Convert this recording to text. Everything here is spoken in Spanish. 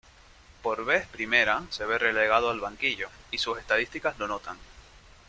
Por ves primera, se ve relegado al banquillo, y sus estadísticas lo notan.